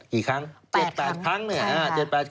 กี่ครั้ง๗๘ครั้งเนี่ย